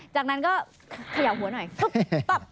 จากนั้นก็เขย่าหัวหน่อยปุ๊บปั๊บ